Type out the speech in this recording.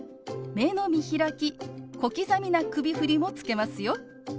目の見開き小刻みな首振りもつけますよ。